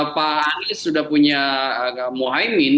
pak anies sudah punya mohaimin